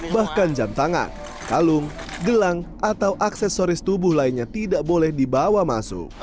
bahkan jam tangan kalung gelang atau aksesoris tubuh lainnya tidak boleh dibawa masuk